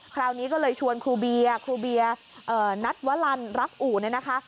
คราวนี้ก็เลยชวนครูเบียร์ครูเบียร์นัดวลันรักอู่เนี่ยนะคะ